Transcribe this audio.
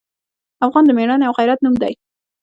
افغان د میړانې او غیرت نوم دی.